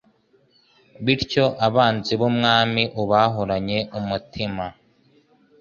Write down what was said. bityo abanzi b’umwami ubahuranye umutima